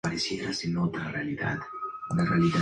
Ninguna respuesta se recibió desde el otro sumergible.